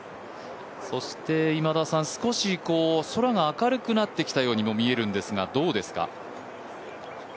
そして、少し空が明るくなってきたようにも見えるんですがどうですか？